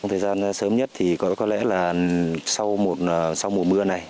trong thời gian sớm nhất thì có lẽ là sau mùa mưa này